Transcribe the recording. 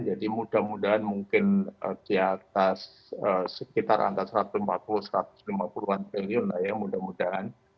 jadi mudah mudahan mungkin di atas sekitar satu ratus empat puluh satu ratus lima puluh triliun ya mudah mudahan